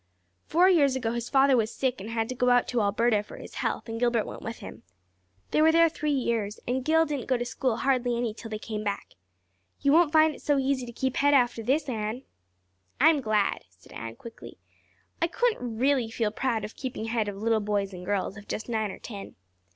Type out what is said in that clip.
Four years ago his father was sick and had to go out to Alberta for his health and Gilbert went with him. They were there three years and Gil didn't go to school hardly any until they came back. You won't find it so easy to keep head after this, Anne." "I'm glad," said Anne quickly. "I couldn't really feel proud of keeping head of little boys and girls of just nine or ten.